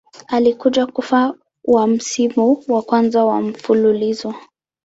Alikuja kufa wa msimu wa kwanza wa mfululizo.